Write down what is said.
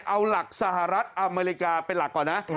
เอาหลักสหรัฐอเมริกาเป็นหลักก่อนนะ